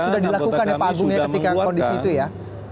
sudah dilakukan ya pak agung ya ketika kondisi itu ya